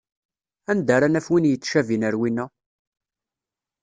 Anda ara naf win yettcabin ar winna?